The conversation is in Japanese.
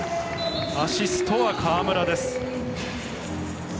アシストは河村です。